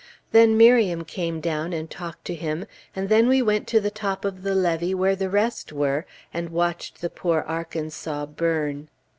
Then Miriam came down and talked to him, and then we went to the top of the levee where the rest were, and watched the poor Arkansas burn.